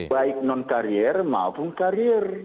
baik non karier maupun karier